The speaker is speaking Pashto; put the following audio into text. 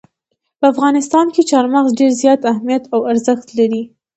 په افغانستان کې چار مغز ډېر زیات اهمیت او ارزښت لري.